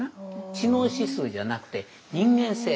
知能指数じゃなくて人間性。